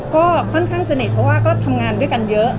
ก็ค่อนข้างสนิทเพราะว่าก็ทำงานด้วยกันเยอะ